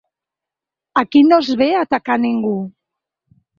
Aquí no es ve a atacar ningú.